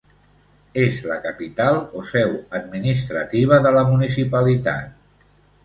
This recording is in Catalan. És la capital o seu administrativa de la municipalitat.